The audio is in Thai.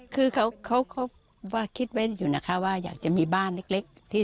คือเขาว่าคิดไว้อยู่นะคะว่าอยากจะมีบ้านเล็ก